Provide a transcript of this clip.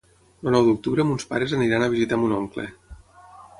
El nou d'octubre mons pares aniran a visitar mon oncle.